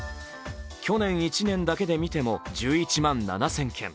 去年１年だけで見ても１１万７０００件。